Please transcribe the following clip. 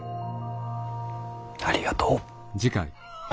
ありがとう。